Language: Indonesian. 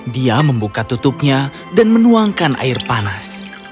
dia membuka tutupnya dan menuangkan air panas